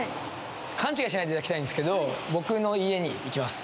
勘違いしないでいただきたいんですけど僕の家に行きます。